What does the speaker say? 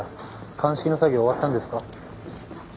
鑑識の作業終わったんですか？